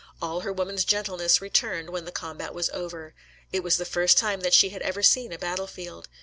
All her woman's gentleness returned when the combat was over. It was the first time that she had ever seen a battle field.